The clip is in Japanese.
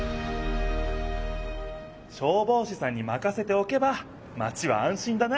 消防士さんにまかせておけばマチはあん心だな！